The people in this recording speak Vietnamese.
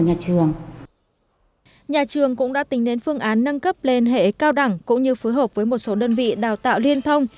nhà trường cũng đã tính đến phương án nâng cấp lên hệ cao đẳng cũng như phối hợp với một số đơn vị đào tạo liên thông